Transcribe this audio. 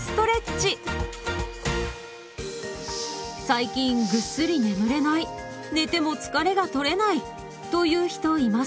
最近ぐっすり眠れない寝ても疲れがとれないという人いませんか？